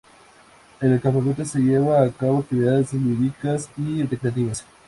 En el campamento se llevan a cabo actividades lúdicas y recreativas.